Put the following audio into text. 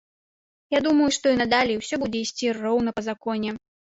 Я думаю, што і надалей усё будзе ісці роўна і па законе.